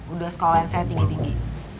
udah sekolahan saya tinggi tinggi